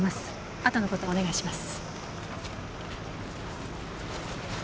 あとの事はお願いします。